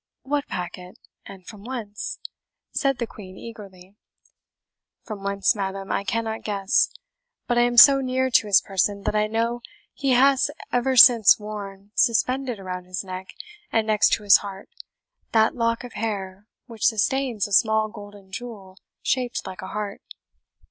"What packet, and from whence?" said the Queen eagerly. "From whence, madam, I cannot guess; but I am so near to his person that I know he has ever since worn, suspended around his neck and next to his heart, that lock of hair which sustains a small golden jewel shaped like a heart.